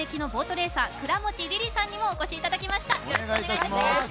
レーサー倉持莉々先生にもお越しいただきました。